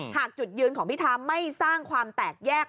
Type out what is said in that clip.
หากจุดยืนของพิธาไม่สร้างความแตกแยก